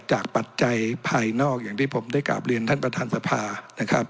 ปัจจัยภายนอกอย่างที่ผมได้กราบเรียนท่านประธานสภานะครับ